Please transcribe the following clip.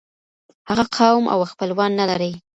هغه قوم او خپلوان نلري.